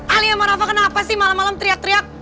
ali sama rafa kenapa sih malam malam teriak teriak